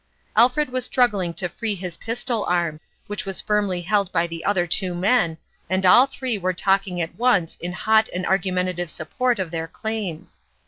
Alfred was struggling to free his pistol arm, which was firmly held by the other two men, and all three were talking at once in hot and 180 (Eotnrmalin's argumentative support of their claims.